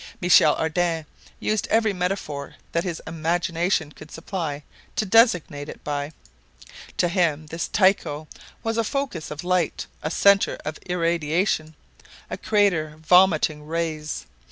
Michel Ardan used every metaphor that his imagination could supply to designate it by. To him this Tycho was a focus of light, a center of irradiation, a crater vomiting rays.